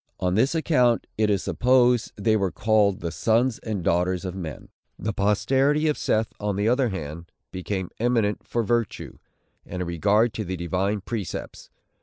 On this account, it is supposed, they were called the Sons and Daughters of Men. The posterity of Seth, on the other hand, became eminent for virtue, and a regard to the divine precepts.